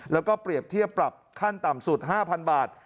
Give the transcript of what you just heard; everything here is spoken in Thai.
แล้วก็เปรียบเทียบปรับขั้นต่ำสุด๕๐๐๐บาท